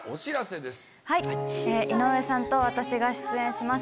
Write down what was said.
井上さんと私が出演します